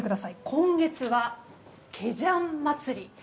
今月は、ゲジャン祭り。